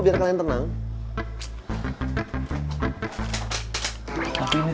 tapi kalian ya lebih memilih orang yang hearlst atau girl community bukannya